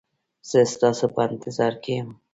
زه ستاسو په انتظار کې یم